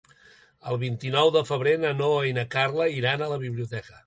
El vint-i-nou de febrer na Noa i na Carla iran a la biblioteca.